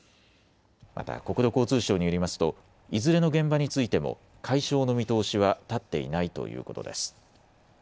また国土交通省によりますといずれの現場についても解消の見通しは立っていないということです。